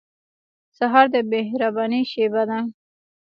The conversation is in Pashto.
سهار د مهربانۍ شېبه ده.